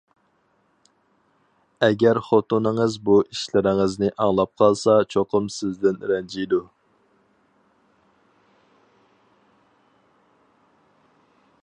ئەگەر خوتۇنىڭىز بۇ ئىشلىرىڭىزنى ئاڭلاپ قالسا چوقۇم سىزدىن رەنجىيدۇ.